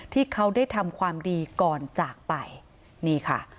ที่เขาได้ทำความดีก่อนจากไปนี่ค่ะ